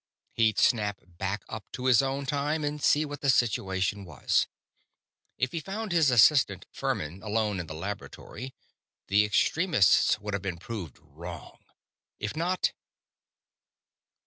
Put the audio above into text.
He'd snap back up to his own time and see what the situation was. If he found his assistant Furmin alone in the laboratory, the extremists would have been proved wrong. If not....